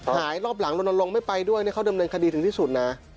รอบหลังลนลงไม่ไปด้วยเขาดำเนินคดีถึงที่สุดนะ